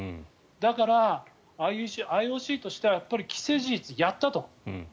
だから、ＩＯＣとしてはやっぱり既成事実、やったと。